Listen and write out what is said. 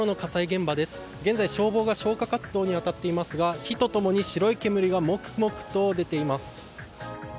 現在、消防が消火活動に当たっていますが火と共に白い煙がもくもくと出ています。